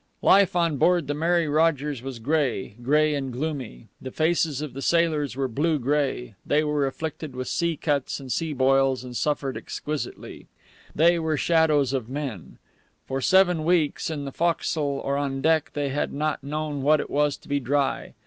Life on board the Mary Rogers was gray, gray and gloomy. The faces of the sailors were blue gray; they were afflicted with sea cuts and sea boils, and suffered exquisitely. They were shadows of men. For seven weeks, in the forecastle or on deck, they had not known what it was to be dry.